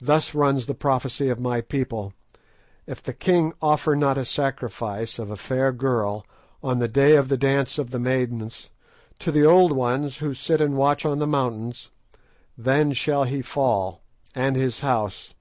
Thus runs the prophecy of my people: 'If the king offer not a sacrifice of a fair girl, on the day of the dance of maidens, to the Old Ones who sit and watch on the mountains, then shall he fall, and his house.